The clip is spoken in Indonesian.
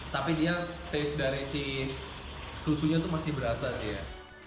tapi dia taste dari si susunya itu masih berasa sih ya